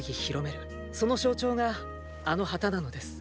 その象徴があの旗なのです。